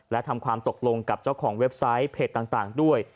และทำความตกลงกับเจ้าของเว็บไซต์เพจต่างด้วย